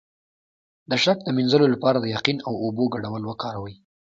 د شک د مینځلو لپاره د یقین او اوبو ګډول وکاروئ